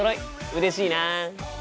うれしいな。